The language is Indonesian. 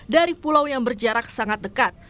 dari pulau yang berjarak sangat dekat